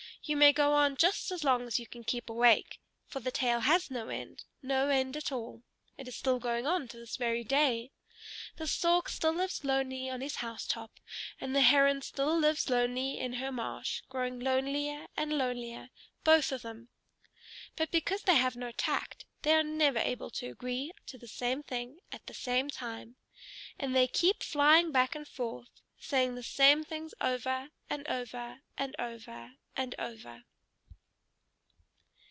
You may go on just as long as you can keep awake. For the tale has no end, no end at all. It is still going on to this very day. The Stork still lives lonely on his house top, and the Heron still lives lonely in her marsh, growing lonelier and lonelier, both of them. But because they have no tact, they are never able to agree to the same thing at the same time. And they keep flying back and forth, saying the same things over, and over, and over, and over....